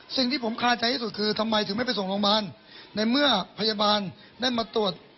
สิ่งที่ผมคาใจที่สุดคือทำไมถึงไม่ไปส่งโรงพยาบาลในเมื่อพยาบาลได้มาตรวจ